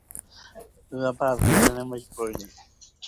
Vy'apavẽ ne rembiapóre.